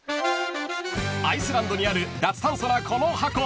［アイスランドにある脱炭素なこの箱］